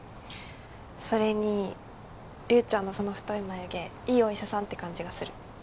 それにリュウちゃんのその太い眉毛いいお医者さんって感じがする。